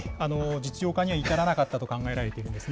実用化には至らなかったと考えられているんですね。